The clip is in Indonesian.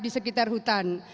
di sekitar hutan